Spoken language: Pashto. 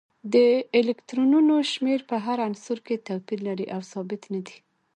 د الکترونونو شمیر په هر عنصر کې توپیر لري او ثابت نه دی